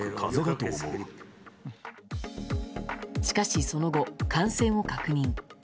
しかしその後、感染を確認。